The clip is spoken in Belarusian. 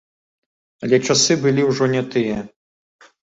Але часы былі ўжо не тыя.